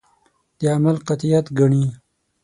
د عمل قاطعیت ګڼي.